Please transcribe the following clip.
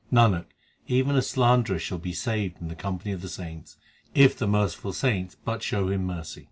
Nanak, even a slanderer shall be saved in the company of the saints, If the merciful saints but show him mercy.